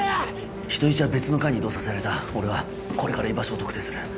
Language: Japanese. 人質は別の階に移動させられた俺はこれから居場所を特定する。